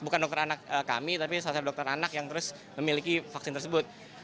bukan dokter anak kami tapi salah satu dokter anak yang terus memiliki vaksin tersebut